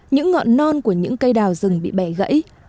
những ngọn non của những cây đào rừng bị bẻ gãy